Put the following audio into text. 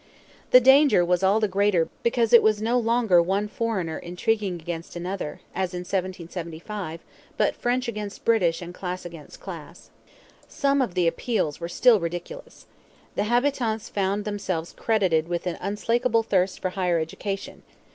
The danger was all the greater because it was no longer one foreigner intriguing against another, as in 1775, but French against British and class against class. Some of the appeals were still ridiculous. The habitants found themselves credited with an unslakable thirst for higher education.